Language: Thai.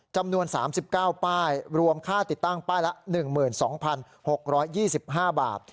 จำนวน๓๙ป้ายรวมค่าติดตั้งป้ายละ๑๒๖๒๕บาท